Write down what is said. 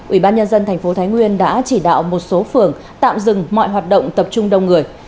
ủy ban nhân dân thành phố thái nguyên đã chỉ đạo một số phường tạm dừng mọi hoạt động tập trung đông người